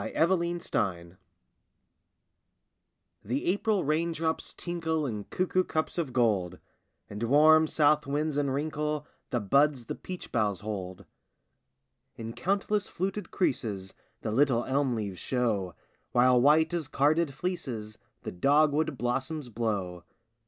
SHOWERY TIME The April rain drops tinkle In cuckoo cups of gold, And warm south winds unwrinkle The buds the peach boughs hold. In countless fluted creases The little elm leaves show, While white as carded fleeces The dogwood blossoms blow.